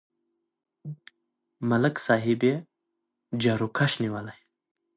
ملک صاحب یې جاروکش نیولی.